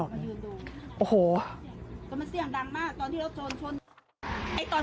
ก็มันเสียงดังมากตอนที่เราโชนชน